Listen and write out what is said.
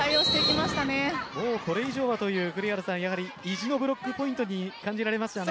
これ以上はという意地のブロックポイントに感じられますよね。